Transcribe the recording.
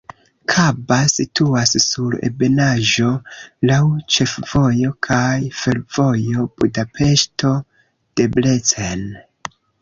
Kaba situas sur ebenaĵo, laŭ ĉefvojo kaj fervojo Budapeŝto-Debrecen.